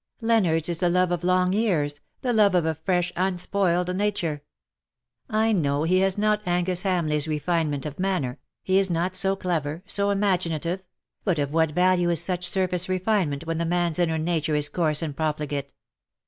Leonardos is the love of long years — the love of a fresh unspoiled nature. I know that he has not Angus Ham leigh^s refinement of manner — he is not so clever — so imaginative — but of what value is such surface refinement when the man^s inner nature is coarse and profligate.